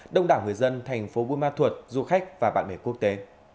đông đảo người dân thành phố buôn ma thuột du khách và bạn bè quốc tế